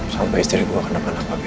sampai istri gue akan dapat apa b